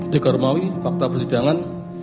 dekarumawi fakta persidangan